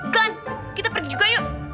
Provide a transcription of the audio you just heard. klan kita pergi juga yuk